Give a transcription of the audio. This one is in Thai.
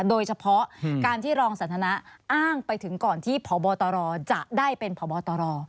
โดยเฉพาะการที่รองสันทนาอ้างไปถึงก่อนที่พบตรจะได้เป็นพบตร